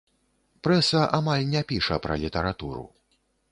Прэса амаль не піша пра літаратуру.